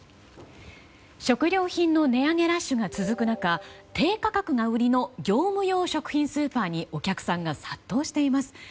食料品の値上げラッシュが続く中低価格が売りの業務用食品スーパーにお客さんが殺到しています。